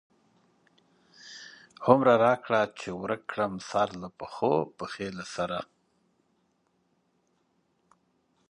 هومره راکړه چی پی ورک کړم، سر له پښو، پښی له سره